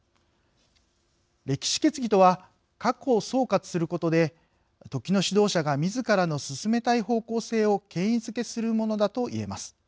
歴史決議とは過去を総括することで時の指導者がみずからの進めたい方向性を権威づけするものだと言えます。